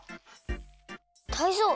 タイゾウ。